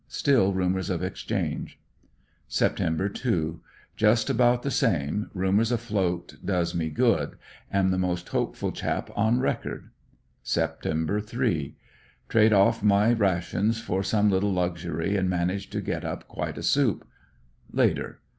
Still rumors of exchange. Sept. 2. — Just about the same; rumors afloat does me good Am the most hopeful chap on record. Sept. 3.— Trade off my rations for some little luxury and man age to get up quite a soup. Later.